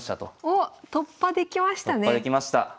おっ突破できましたね。